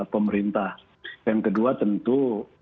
pemerintah yang kedua tentu